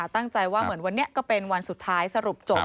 ตั้งใจว่าเหมือนวันนี้ก็เป็นวันสุดท้ายสรุปจบ